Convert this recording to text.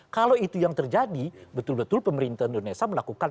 kalau itu yang terjadi betul betul pemerintah indonesia akan berpindah ke negara ini